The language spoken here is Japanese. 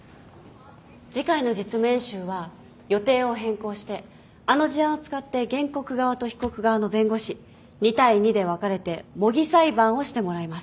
次回の実務演習は予定を変更してあの事案を使って原告側と被告側の弁護士２対２で分かれて模擬裁判をしてもらいます。